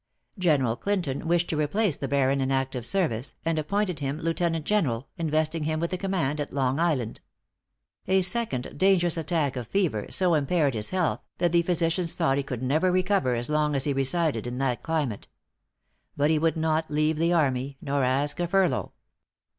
General Clinton wished to replace the Baron in active service, and appointed him Lieutenant General, investing him with the command at Long Island. A second dangerous attack of fever so impaired his health, that the physicians thought he could never recover as long as he resided in that climate. But he would not leave the army, nor ask a furlough.